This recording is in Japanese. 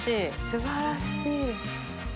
すばらしい。